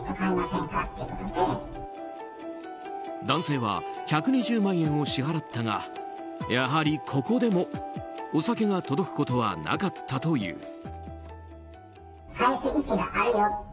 男性は１２０万円を支払ったがやはり、ここでもお酒が届くことはなかったという。